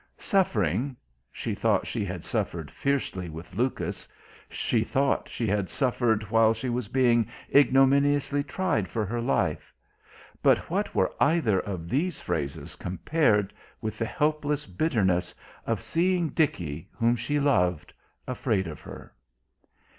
Suffering she thought she had suffered fiercely with Lucas, she thought she had suffered while she was being ignominiously tried for her life but what were either of these phases compared with the helpless bitterness of seeing Dickie, whom she loved, afraid of her?